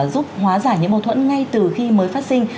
giúp hóa giải những mâu thuẫn ngay từ khi mới phát sinh